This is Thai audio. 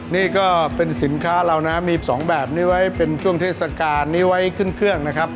นี่ก็เป็นสินค้าเรานะมีสองแบบนี้ไว้เป็นช่วงเทศกาลนี้ไว้ขึ้นเครื่องนะครับ